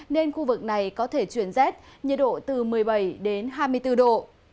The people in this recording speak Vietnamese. nên khu vực này có thể chuyển rét nhiệt độ từ một mươi bảy đến hai mươi bốn độ